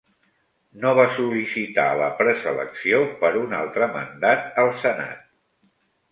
No va sol·licitar la preselecció per un altre mandat al Senat.